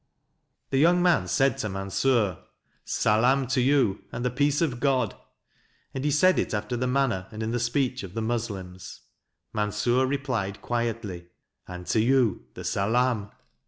The young man said to Mansur :" Salaam to you, and the peace of God," and he said it after the manner and in the speech of the Muslims. Mansur replied quietly: " And to you the Salaam."